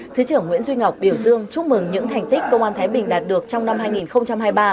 thứ trưởng nguyễn duy ngọc biểu dương chúc mừng những thành tích công an thái bình đạt được trong năm hai nghìn hai mươi ba